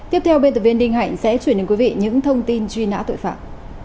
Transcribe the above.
tiếp theo bên tập viên đinh hạnh sẽ truyền đến quý vị những thông tin truy nã tội phạm